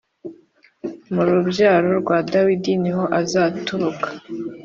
Murubyaro rwa dawidi niho azaturuka